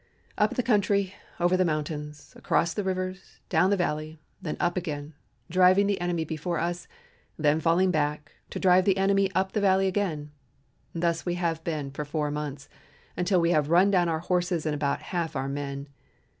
Up the country, over the mountains, across the rivers, down the valley, then up again, driving the enemy before us, then falling back, to drive the enemy up the valley again thus we have been for four months, until we have run down our horses and about half of our men.